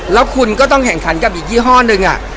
แล้วคุณก็ต้องแข่งขันกับอีกยี่ห้อหนึ่ง